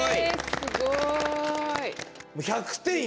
すごい！